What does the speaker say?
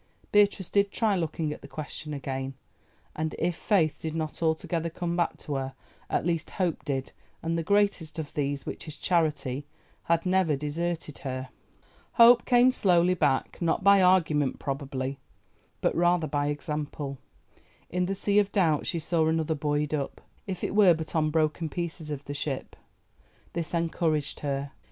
Beatrice did try looking at the question again, and if Faith did not altogether come back to her at least Hope did, and "the greatest of these, which is Charity," had never deserted her. Hope came slowly back, not by argument probably, but rather by example. In the sea of Doubt she saw another buoyed up, if it were but on broken pieces of the ship. This encouraged her.